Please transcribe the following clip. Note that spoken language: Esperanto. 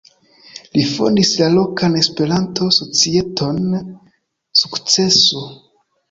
Li fondis la lokan Esperanto-societon "Sukceso".